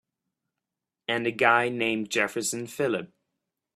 And a guy named Jefferson Phillip.